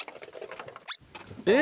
えっ！